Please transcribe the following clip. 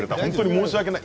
申し訳ない。